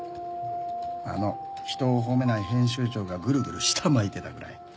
あの人を褒めない編集長がグルグル舌巻いてたぐらい。